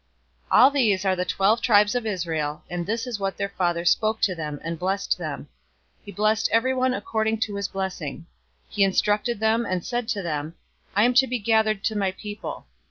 049:028 All these are the twelve tribes of Israel, and this is what their father spoke to them and blessed them. He blessed everyone according to his blessing. 049:029 He charged them, and said to them, "I am to be gathered to my people.